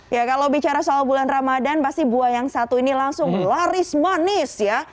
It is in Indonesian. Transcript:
ya kalau bicara soal bulan ramadhan pasti buah yang satu ini langsung laris manis ya